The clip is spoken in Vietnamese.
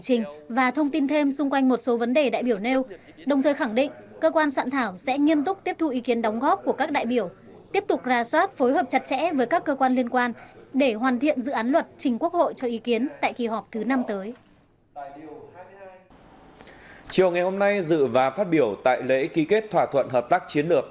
chiều ngày hôm nay dự và phát biểu tại lễ ký kết thỏa thuận hợp tác chiến lược